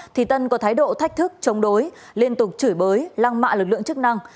thì tân có thái độ thách thức chống đối liên tục chửi bới lăng mạ lực lượng chức năng